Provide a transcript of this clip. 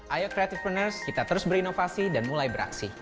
ayo creativepreneurs kita terus berinovasi dan mulai beraksi